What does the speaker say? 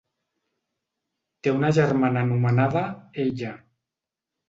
Té una germana anomenada Ella.